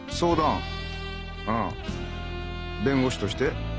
ああ弁護士として？